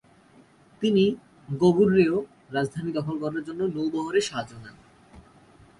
তিনি গগুর্যেও রাজধানী দখল করার জন্য নৌবহরের সাহায্য নেন।